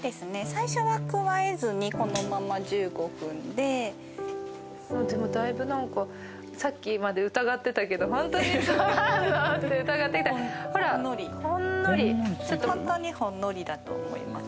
最初は加えずにこのまま１５分ででもだいぶなんかさっきまで疑ってたけど「ホントに染まるの？」って疑ってたほらほんのりほんのりホントにほんのりだと思います